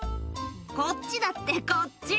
「こっちだってこっち！」